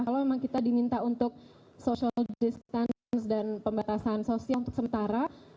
kalau memang kita diminta untuk social distance dan pembatasan sosial untuk sementara